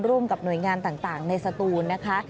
ร่วมกับหน่วยงานต่างในสตูนนะคะ